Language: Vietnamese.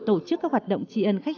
tổ chức các hoạt động tri ân khách